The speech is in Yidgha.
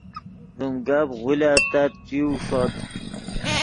ڤیم گپ غولیتت ݯیو ݰوت